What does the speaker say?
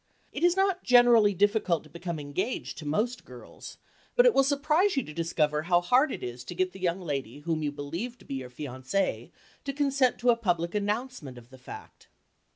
It is not generally difficult to become engaged to most girls, but it will surprise you to discover how hard it is to get the young lady whom you believe to be your fiancée to consent to a public announcement of the fact.